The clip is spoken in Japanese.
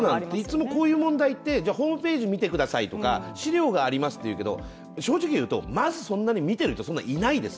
いつもこういう問題ってホームページを見てくださいとか、資料がありますとかいうけど正直言うとまず見ている人、そんなにいないです。